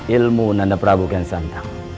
ilmu nanda prabu gensantang